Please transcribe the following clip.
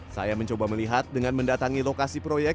saya mencoba melihat dengan mendatangi lokasi proyek